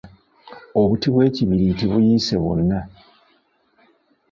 Obuti bw’ekibiriiti buyiise bwonna.